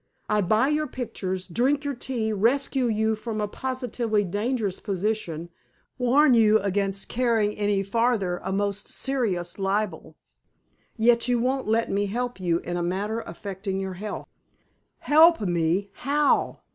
I buy your pictures, drink your tea, rescue you from a positively dangerous position, warn you against carrying any farther a most serious libel, yet you won't let me help you in a matter affecting your health!" "Help me? How?"